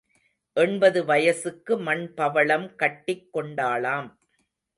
எண்பது வயசுக்கு மண் பவளம் கட்டிக் கொண்டாளாம்.